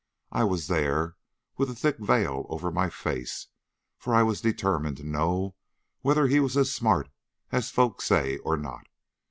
I was there with a thick veil over my face, for I was determined to know whether he was as smart as folks say or not.